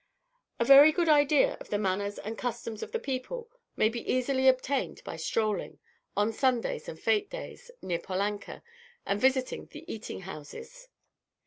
A very good idea of the manners and customs of the people may be easily obtained by strolling, on Sundays and fete days, near Polanka, and visiting the eating houses.